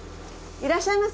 いらっしゃいませ。